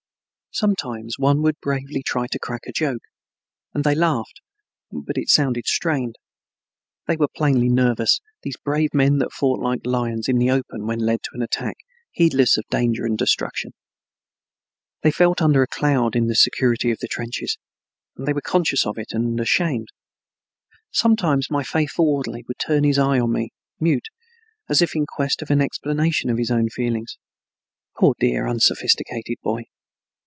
Sometimes one would bravely try to crack a joke, and they laughed, but it sounded strained. They were plainly nervous, these brave men that fought like lions in the open when led to an attack, heedless of danger and destruction. They felt under a cloud in the security of the trenches, and they were conscious of it and ashamed. Sometimes my faithful orderly would turn his eye on me, mute, as if in quest of an explanation of his own feeling. Poor dear unsophisticated boy!